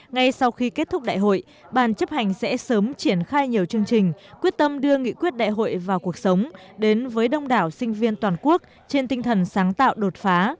ngay sau khi kết thúc đại hội bàn chấp hành sẽ sớm triển khai nhiều chương trình quyết tâm đưa nghị quyết đại hội vào cuộc sống đến với đông đảo sinh viên toàn quốc trên tinh thần sáng tạo đột phá